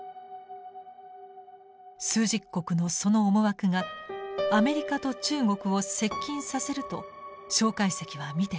枢軸国のその思惑がアメリカと中国を接近させると介石は見ていたのです。